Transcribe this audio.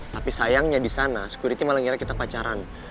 tapi sayangnya di sana security malah ngira kita pacaran